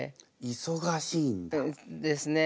いそがしいんだ。ですね。